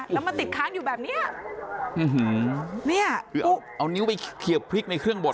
แล้วมาติดค้างอยู่แบบเนี้ยเนี่ยคือเอาเอานิ้วไปเขียบพริกในเครื่องบด